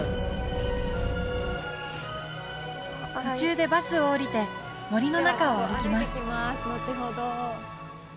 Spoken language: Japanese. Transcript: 途中でバスを降りて森の中を歩きます